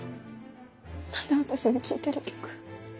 何で私の聴いてる曲。